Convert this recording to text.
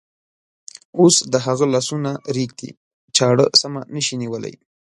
اوس د هغه لاسونه رېږدي، چاړه سمه نشي نیولی.